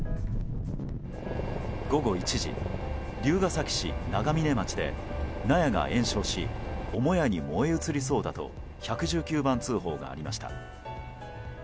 午後１時、龍ケ崎市長峰町で納屋が延焼し母屋に燃え移りそうだと１１９番通報がありました。